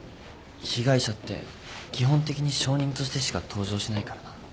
被害者って基本的に証人としてしか登場しないからな。